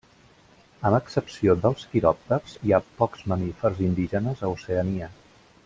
Amb excepció dels quiròpters, hi ha pocs mamífers indígenes a Oceania.